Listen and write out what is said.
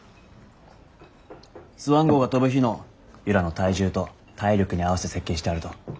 スワン号が飛ぶ日の由良の体重と体力に合わせて設計してあると。